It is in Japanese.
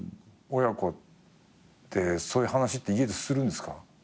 親子でそういう話って家でするんですか？